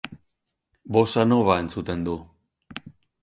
Bossa Nova entzuten du.